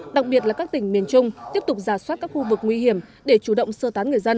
đặc biệt là các tỉnh miền trung tiếp tục giả soát các khu vực nguy hiểm để chủ động sơ tán người dân